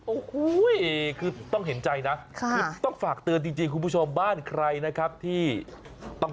โอ้โหคือต้องเห็นใจนะคือต้องฝากเตือนจริงคุณผู้ชมบ้านใครนะครับที่ต้อง